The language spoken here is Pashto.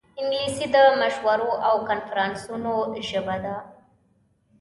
انګلیسي د مشورو او کنفرانسونو ژبه ده